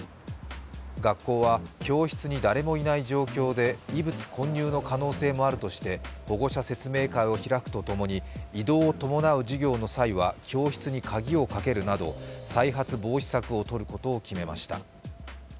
学校は、教室に誰もいない状況で異物混入の可能性もあるとして保護者説明会を開くとともに移動を伴う授業の際は教室に鍵をかけるなど再発防止策をとることを決めました。